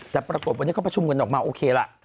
แต่ปรากฏวันนี้เขาประชุมกันออกมาโอเคล่ะ